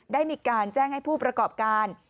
ได้มีการแจ้งให้ผู้ประกอบการ